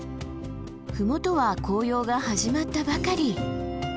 麓は紅葉が始まったばかり。